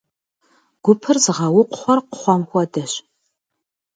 Гупыр зыгъэукхъуэр кхъуэм хуэдэщ.